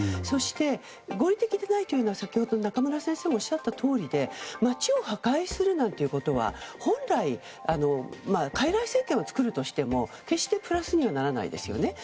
そして合理的でないというのは先ほど中村先生がおっしゃったとおりで街を破壊するなんていうことは本来、傀儡政権を作るとしても決してプラスにならないですよね。